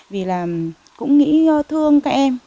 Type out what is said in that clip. vì là cũng nghĩ thương các em